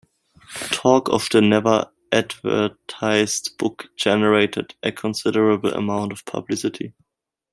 Talk of the "Never advertised" book generated a considerable amount of publicity.